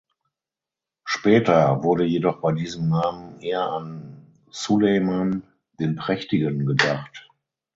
Später wurde jedoch bei diesem Namen eher an Suleyman den Prächtigen gedacht.